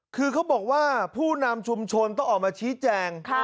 คือเขาบอกว่าผู้นำชุมชนต้องออกมาชี้แจง